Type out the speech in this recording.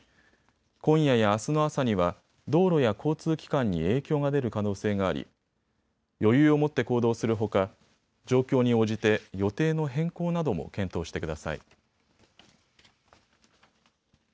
今夜やあすの朝には道路や交通機関に影響が出る可能性があり余裕を持って行動するほか状況に応じて予定の変更なども検討してください。